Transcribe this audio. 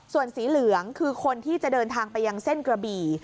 ส่วนสีเหลืองคือคนที่จะเดินทางไปยังเส้นกระบี่